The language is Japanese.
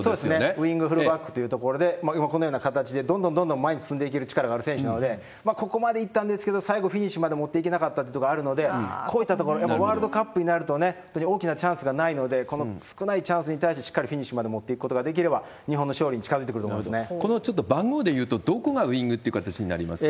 ウイング、フルバックというところで、このような形でどんどんどんどん前に進んでいける力がある選手なので、ここまでいったんですけど、フィニッシュに持っていけなかったというところがあるので、こういったところ、やっぱりワールドカップになると本当に大きなチャンスがないので、少ないチャンスに対してしっかりフィニッシュまで持っていけるということができれば、日本の勝利にこのちょっと番号でいうと、どこがウイングという形になりますか？